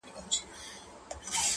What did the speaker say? او هغه داسې چې یوه تجربه بیانوي